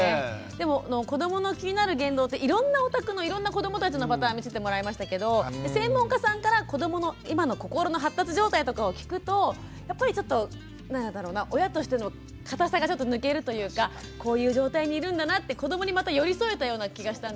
でも子どもの気になる言動っていろんなお宅のいろんな子どもたちのパターン見せてもらいましたけど専門家さんから子どもの今の心の発達状態とかを聞くとやっぱりちょっと親としての硬さがちょっと抜けるというかこういう状態にいるんだなって子どもにまた寄り添えたような気がしたんですよね。